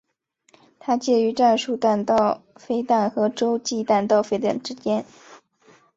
它介于战术弹道飞弹和洲际弹道飞弹之间。